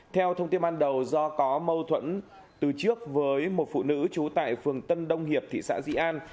theo thông tin ban đầu do có mâu thuẫn từ trước với một phụ nữ trú tại phường tân đông hiệp thị xã di an